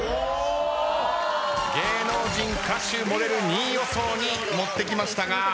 芸能人歌手モデル２位予想に持ってきましたが。